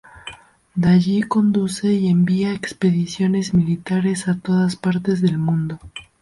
De allí conduce y envía expediciones militares a todas partes del mundo.